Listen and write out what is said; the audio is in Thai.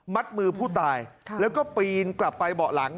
มือผู้ตายแล้วก็ปีนกลับไปเบาะหลัง